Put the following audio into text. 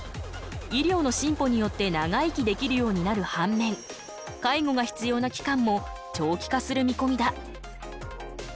医療の進歩によって長生きできるようになる反面介護が必要な期間も長期化する見込みだ。